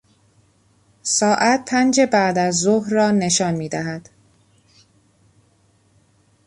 ساعت پنج بعدازظهر را نشان میدهد.